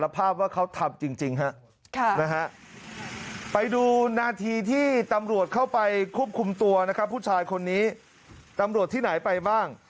ไปดูนาทีที่ตำรวจเข้าไปควบคุมตัวผู้ชายคนนี้ตำรวจที่ไหนไปบ้าง